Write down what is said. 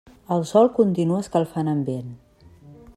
El sol continua escalfant ambient.